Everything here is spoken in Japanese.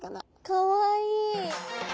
かわいい。